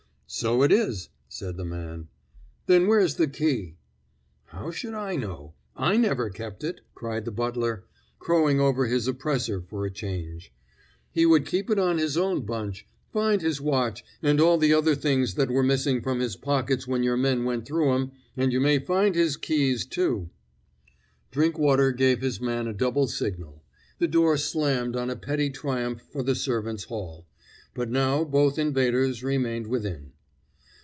"So it is," said the man. "Then where's the key?" "How should I know? I never kept it!" cried the butler, crowing over his oppressor for a change. "He would keep it on his own bunch; find his watch, and all the other things that were missing from his pockets when your men went through 'em, and you may find his keys, too!" Drinkwater gave his man a double signal; the door slammed on a petty triumph for the servants' hall; but now both invaders remained within.